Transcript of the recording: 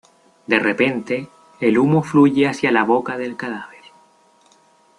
De repente, el humo fluye hacia la boca del cadáver.